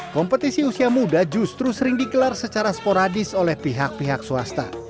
kompetisi usia muda justru sering dikelar secara sporadis oleh pihak pihak swasta